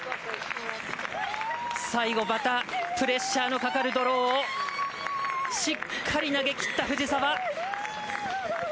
最後またプレッシャーのかかるドローをしっかり投げきった藤澤。